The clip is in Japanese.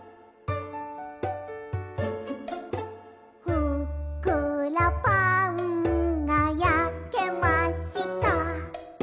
「ふっくらパンが焼けました」